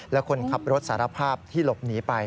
และคนขับรถสารภาพที่หลบหนีไป